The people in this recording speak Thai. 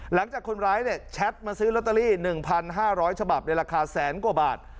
หลังจากคนร้ายแชทมาซื้อลอตเตอรี่๑๕๐๐ฉบับในราคาแสนกว่าบาท